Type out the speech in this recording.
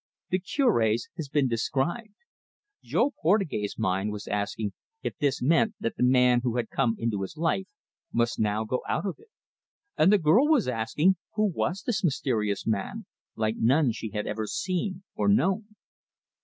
The Cure's has been described. Jo Portugais' mind was asking if this meant that the man who had come into his life must now go out of it; and the girl was asking who was this mysterious man, like none she had ever seen or known.